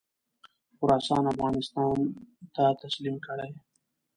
خراسان افغانستان ته تسلیم کړي.